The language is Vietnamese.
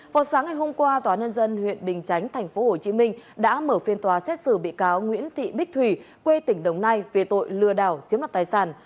vào sáng ngày hôm qua tòa nhân dân huyện bình chánh tp hcm đã mở phiên tòa xét xử bị cáo nguyễn thị bích thủy quê tỉnh đồng nai về tội lừa đảo chiếm đoạt tài sản